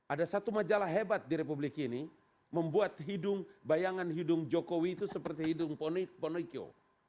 ada satu majalah hebat di republik ini membuat bayangan hidung jokowi itu seperti hidung ponokio